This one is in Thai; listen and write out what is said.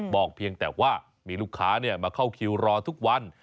เพียงแต่ว่ามีลูกค้ามาเข้าคิวรอทุกวัน